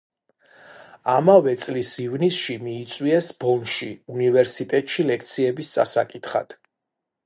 ამავე წლის ივნისში მიიწვიეს ბონში უნივერსიტეტში ლექციების წასაკითხად.